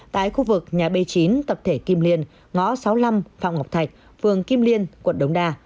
tại khu vực nhà b chín tập thể kim liên ngõ sáu mươi năm phạm ngọc thạch phường kim liên quận đống đa